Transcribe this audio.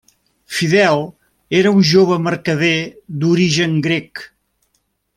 Fidel era un jove mercader d'origen grec.